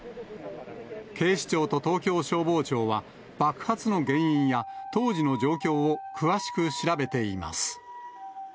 警視庁と東京消防庁は、爆発の原因や当時の状況を詳しく調べています。